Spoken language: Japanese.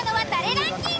ランキング。